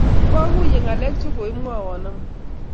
kwaguiye ngalek chekwemwowon amut